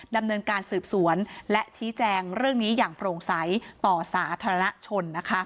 ดำเนินการสืบสวนและชี้แจงเรื่องนี้อย่างโปร่งใสต่อสาธารณชน